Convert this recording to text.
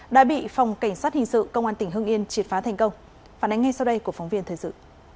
đã bị phòng cảnh sát hình sự công an tỉnh hưng yên triệt phá thành công phản ánh ngay sau đây của phóng viên thời sự